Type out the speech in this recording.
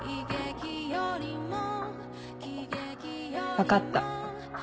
分かった。